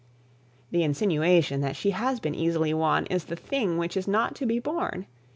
The insinuation that she has been easily won is the thing which is not to be borne.